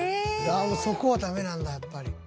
そこはダメなんだやっぱり。